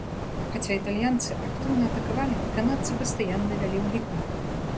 Хаця італьянцы актыўна атакавалі, канадцы пастаянны вялі ў ліку.